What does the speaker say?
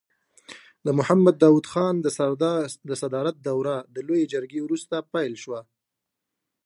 د محمد داود خان د صدارت دوره د لويې جرګې وروسته پیل شوه.